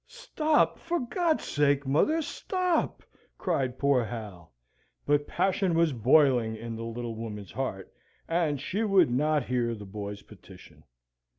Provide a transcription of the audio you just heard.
"Stop! For God's sake, mother, stop!" cried poor Hal. But passion was boiling in the little woman's heart, and she would not hear the boy's petition.